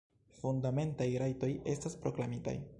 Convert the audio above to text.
Fundamentaj rajtoj estas proklamitaj.